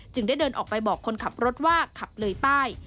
ได้เดินออกไปบอกคนขับรถว่าขับเลยป้าย